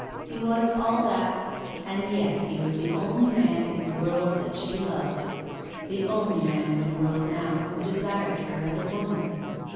He was all that, and yet he was the only man in the world that she loved. The only man in the world, now, who desired her as a woman.